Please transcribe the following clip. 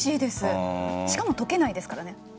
しかも溶けないですからね。